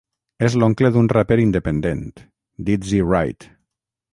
És l'oncle d'un raper independent, Dizzy Wright.